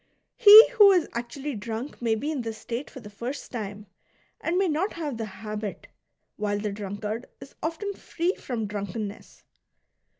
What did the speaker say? He who is actually drunk may be in this state for the first time and may not have the habit, while the drunkard is often free from drunkenness.